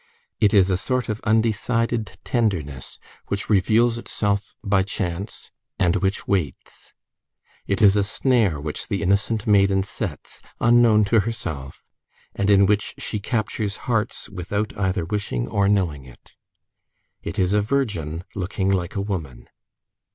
It is a sort of undecided tenderness which reveals itself by chance, and which waits. It is a snare which the innocent maiden sets unknown to herself, and in which she captures hearts without either wishing or knowing it. It is a virgin looking like a woman.